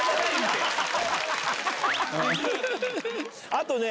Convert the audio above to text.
あとね。